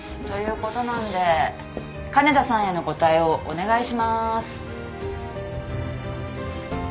ということなんで金田さんへのご対応お願いします。